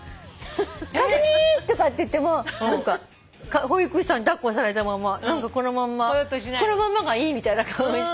「香澄」とかって言っても何か保育士さんに抱っこされたまま何かこのまんまがいいみたいな顔して。